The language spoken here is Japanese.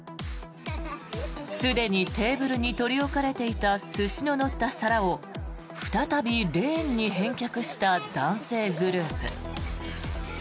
すでにテーブルに取り置かれていた寿司の乗った皿を再びレーンに返却した男性グループ。